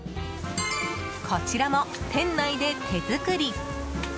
こちらも、店内で手作り。